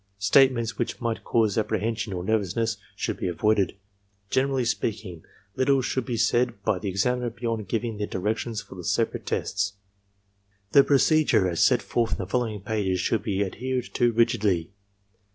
State ments which might cause apprehension or nervousness should be avoided. Generally speaking, little should be said by the examiner beyond giving the directions for the separate tests. The procedure, as set forth in the following pages, should be adhered to rigidly.